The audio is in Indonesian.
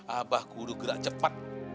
abah kudu gerak cepat